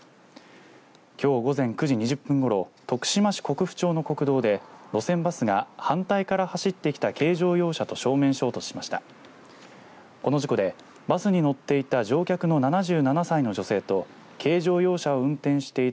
きょう午前９時２０分ごろ徳島市国府町の国道で路線バスが反対から走ってきた軽乗用車と正面衝突しました。